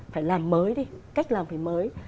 phải làm mới đi cách làm phải mới